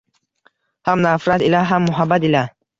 Ham nafrat ila, ham muhabbat ila!